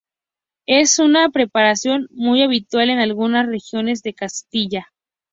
Es una preparación muy habitual en algunas regiones de Castilla.